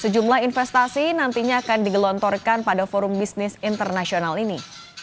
sejumlah investasi nantinya akan digelontorkan pada forum bisnis internasional ini